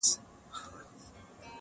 ورباندي پايمه په دوو سترگو په څو رنگه.